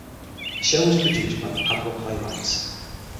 The show was produced by the Padua Playwrights.